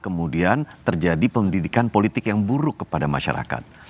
kemudian terjadi pendidikan politik yang buruk kepada masyarakat